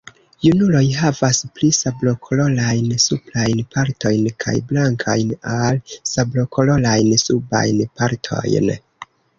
Junuloj havas pli sablokolorajn suprajn partojn kaj blankajn al sablokolorajn subajn partojn.